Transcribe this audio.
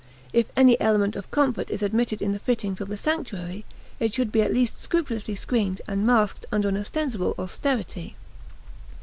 If any element of comfort is admitted in the fittings of the sanctuary, it should be at least scrupulously screened and masked under an ostensible austerity.